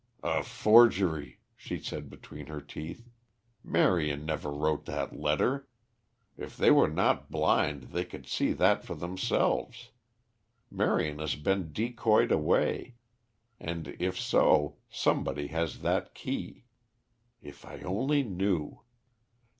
"A forgery," she said between her teeth. "Marion never wrote that letter. If they were not blind they could see that for themselves. Marion has been decoyed away; and, if so, somebody has that key. If I only knew.